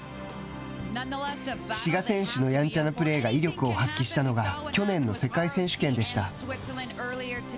志賀選手のやんちゃなプレーが威力を発揮したのが去年の世界選手権でした。